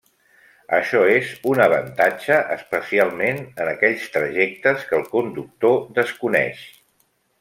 Això és un avantatge especialment en aquells trajectes que el conductor desconeix.